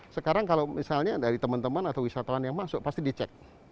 sekarang kalau misalnya dari teman teman atau wisatawan yang masuk pasti dicek